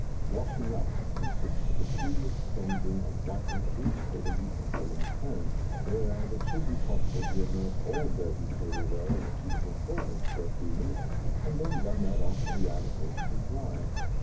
"Washing up" consists of a tedious cleansing and wiping of each table utensil in turn, whereas it should be possible to immerse all dirty table wear in a suitable solvent for a few minutes and then run that off for the articles to dry.